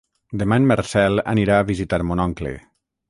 Demà en Marcel anirà a visitar mon oncle.